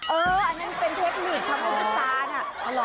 เอออันนั้นเป็นเทคนิคทำรดต้นพุษานะ